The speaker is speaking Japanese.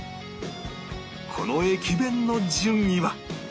この駅弁の順位は？